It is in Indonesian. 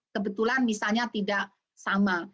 kebetulan misalnya tidak sama